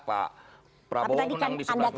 pak prabowo menang di sebuah provinsi